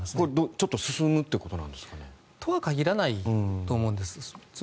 ちょっと進むということですか。とは限らないと思うんです。